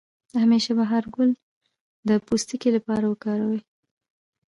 د همیش بهار ګل د پوستکي لپاره وکاروئ